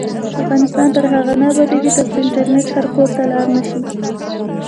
افغانستان تر هغو نه ابادیږي، ترڅو انټرنیټ هر کور ته لاړ نشي.